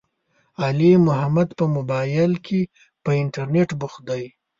علي محمد په مبائل کې، په انترنيت بوخت دی.